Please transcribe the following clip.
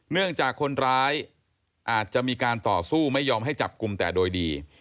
เนื่องจากคนร้ายอาจจะมีการต่อสู้ไม่ยอมให้จับกลุ่มแต่โดยดี